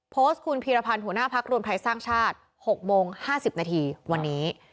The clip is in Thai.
โพสต์คุณพีรพันธ์หัวหน้าพักรวมไทยสร้างชาติ๖โมง๕๐นาทีวันนี้